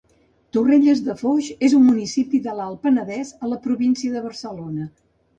Torrelles de Foix és un municipi de l'Alt Penedès, a la província de Barcelona.